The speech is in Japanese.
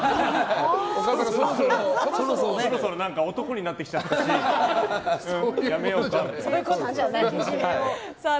そろそろ男になってきちゃうしやめようかって。